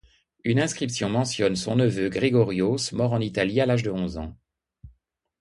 Une inscription mentionne son neveu Gregorios mort en Italie à l'âge de onze ans.